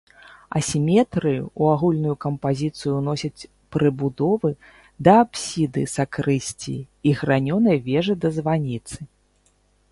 Асіметрыю ў агульную кампазіцыю ўносяць прыбудовы да апсіды сакрысціі і гранёнай вежы да званіцы.